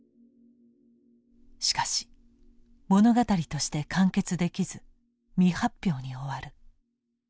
しかし物語として完結できず未発表に終わる。